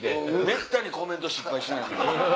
めったにコメント失敗しないのに。